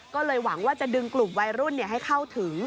ก็เลยหวังว่าจะดึงกลุ่มวัยรุ่นให้เข้าถึง